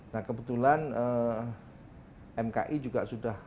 nah kebetulan mki juga sudah